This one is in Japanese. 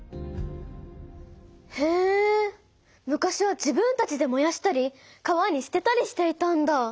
へえ昔は自分たちでもやしたり川にすてたりしていたんだ。